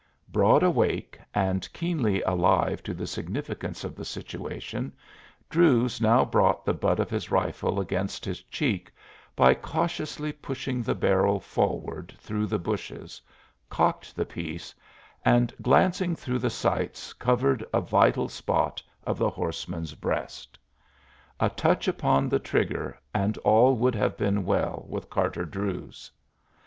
Broad awake and keenly alive to the significance of the situation, Druse now brought the butt of his rifle against his cheek by cautiously pushing the barrel forward through the bushes, cocked the piece, and glancing through the sights covered a vital spot of the horseman's breast. A touch upon the trigger and all would have been well with Carter Druse.